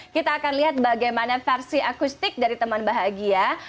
kita akan lihat bagaimana versi akustik dari teman bahagia